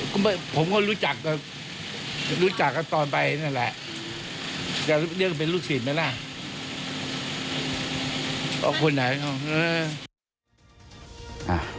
ก็ไม่ผมก็รู้จักรู้จักกันตอนไปนั่นแหละจะเรียกเป็นลูกศิษย์ไหมล่ะคนไหน